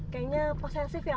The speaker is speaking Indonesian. kalian sudahida soalnya